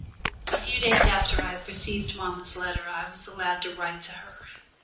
A few days after I received mamma's letter I was allowed to write to her.